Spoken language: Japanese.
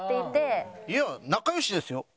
いや仲良しですよ。